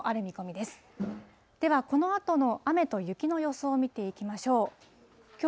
では、このあとの雨と雪の予想を見ていきましょう。